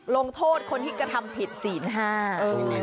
ลงโทษคนที่กระทำผิดศีลห้า